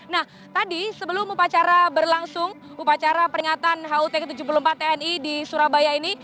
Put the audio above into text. nah tadi sebelum upacara berlangsung upacara peringatan hut ke tujuh puluh empat tni di surabaya ini